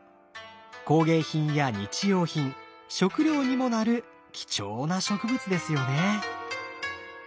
工芸品や日用品食料にもなる貴重な植物ですよね。